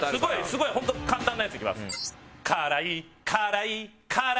すごい本当簡単なやついきます。